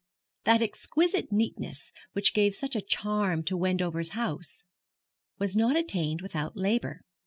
That exquisite neatness which gave such a charm to Wendover's house was not attained without labour.